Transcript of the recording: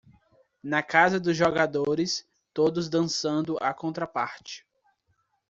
Na casa dos jogadores todos dançando a contraparte.